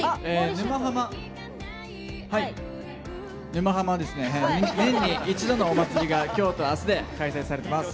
「沼ハマ」年に一度のお祭りが今日と明日で開催されます。